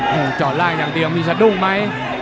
โอ้โหจอดล่างอย่างเดียวมีสะดุ้งไหม